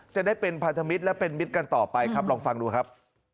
จะได้เป็นพันธมิตรและเป็นมิตรกันต่อไปครับลองฟังดูครับ